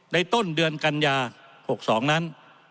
ต้นเดือนกันยา๖๒นั้น